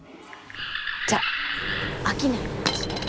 じゃあ商いの話ね。